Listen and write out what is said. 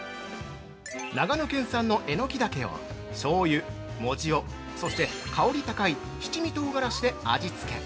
◆長野県産のえのきだけをしょうゆ、藻塩、そして香り高い七味唐辛子で味つけ。